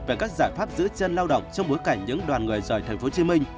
về các giải pháp giữ chân lao động trong bối cảnh những đoàn người rời thành phố hồ chí minh